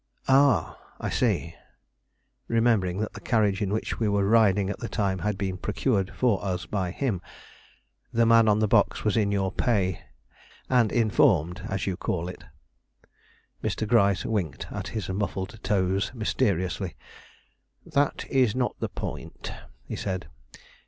Ah, I see," remembering that the carriage in which we were riding at the time had been procured for us by him. "The man on the box was in your pay, and informed, as you call it." Mr. Gryce winked at his muffled toes mysteriously. "That is not the point," he said.